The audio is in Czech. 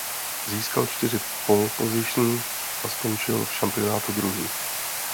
Získal čtyři pole position a skončil v šampionátu druhý.